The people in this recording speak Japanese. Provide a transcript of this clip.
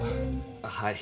はい。